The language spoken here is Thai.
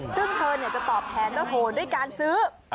ซึ่งเธอจะตอบแทนเจ้าโทนด้วยการซื้อ